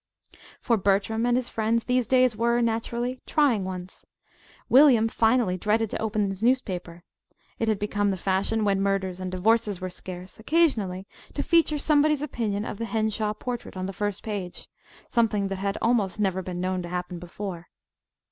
For Bertram and his friends these days were, naturally, trying ones. William finally dreaded to open his newspaper. (It had become the fashion, when murders and divorces were scarce, occasionally to "feature" somebody's opinion of the Henshaw portrait, on the first page something that had almost never been known to happen before.)